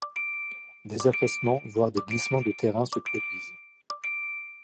Des affaissements voire des glissements de terrains se produisent.